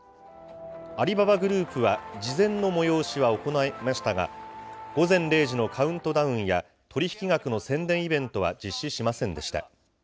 アリババグループは、事前の催しは行いましたが、午前０時のカウントダウンや、取り引き額の宣伝イベントは、実施しませんでした。